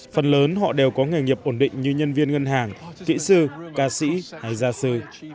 phần lớn họ đều có nghề nghiệp ổn định như nhân viên ngân hàng kỹ sư ca sĩ hay gia sư